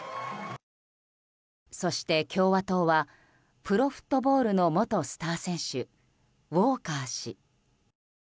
そして共和党はプロフットボールの元スター選手ウォーカー氏。